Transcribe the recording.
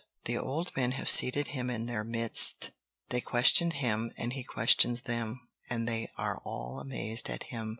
The old men have seated him in their midst. They question him and he questions them, and they are all amazed at him.